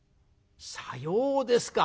「さようですか。